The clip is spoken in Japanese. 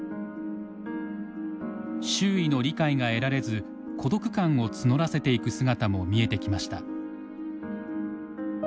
周囲の理解が得られず孤独感を募らせていく姿も見えてきました。